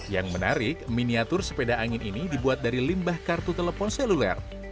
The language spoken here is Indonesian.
yang menarik miniatur sepeda angin ini dibuat dari limbah kartu telepon seluler